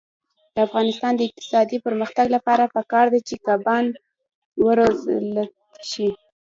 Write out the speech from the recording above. د افغانستان د اقتصادي پرمختګ لپاره پکار ده چې کبان وروزلت شي.